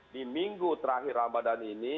di minggu terakhir ramadan ini